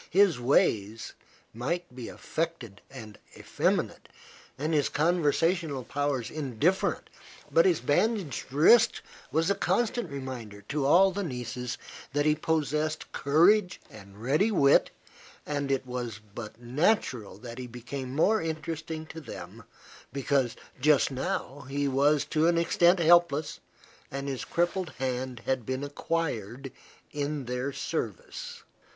His ways might be affected and effeminate and his conversational powers indifferent; but his bandaged wrist was a constant reminder to all the nieces that he possessed courage and ready wit, and it was but natural that he became more interesting to them because just now he was to an extent helpless, and his crippled hand had been acquired in their service.